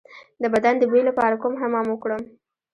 د بدن د بوی لپاره کوم حمام وکړم؟